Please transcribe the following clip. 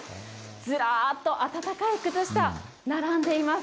ずらっと暖かい靴下、並んでいます。